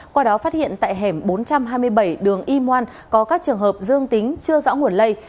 qua đó phát hiện tại hẻm bốn trăm hai mươi bảy đường y ngoan có các trường hợp dương tính chưa rõ nguồn lây